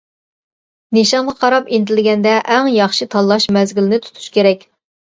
نىشانغا قاراپ ئىنتىلگەندە، ئەڭ ياخشى تاللاش مەزگىلىنى تۇتۇش كېرەك.